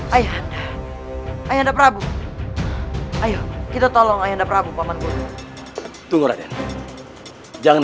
ayah anda ayah anda prabu ayo kita tolong ayah anda prabu paman gue tunggu raden jangan